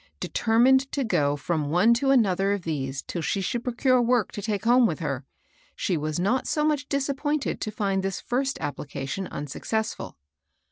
Deter mined to go &om one to another of these till she should procure work to take home with her, she was not so much disappointed to find this first application unsuccessful.